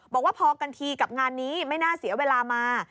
บอกว่าพอกันทีกับงานนี้ไม่น่าเสียเวลามา